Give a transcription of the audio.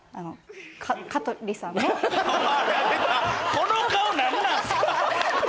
この顔何なんすか。